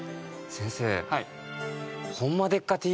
先生。